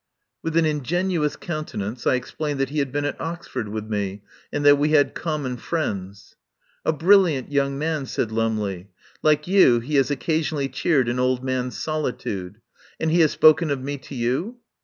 With an ingenuous countenance I explained that he had been at Oxford with me and that we had common friends. "A brilliant young man," said Lumley. "Like you, he has occasionally cheered an old man's solitude. And he has spoken of me to you?"